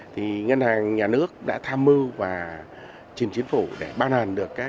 thì ngân hàng nhà nước đã tham mưu và chìm chính phủ để ban hành được các cái